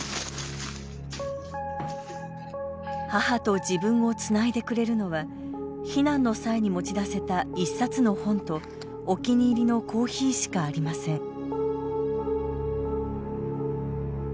母と自分をつないでくれるのは避難の際に持ち出せた１冊の本とお気に入りのコーヒーしかありません。